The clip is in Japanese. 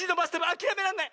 あきらめらんない！